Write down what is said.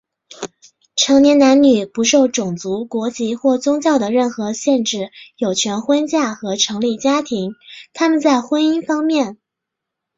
成年男女,不受种族、国籍或宗教的任何限制有权婚嫁和成立家庭。他们在婚姻方面,在结婚期间和在解除婚约时,应有平等的权利。